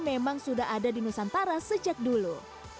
memang sudah ada di nusantara sejak dulu